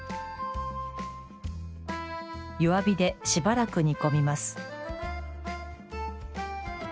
弱火で、しばらく煮込みます。